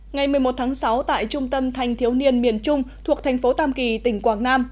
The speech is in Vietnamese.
ngày một mươi một tháng sáu tại trung tâm thành thiếu niên miền trung thuộc thành phố tam kỳ tỉnh quảng nam